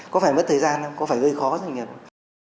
có phải mất thời gian không có phải gây khó doanh nghiệp không